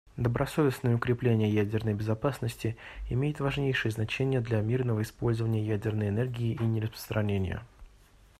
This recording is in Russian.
Добросовестное укрепление ядерной безопасности имеет важнейшее значение для мирного использования ядерной энергии и нераспространения.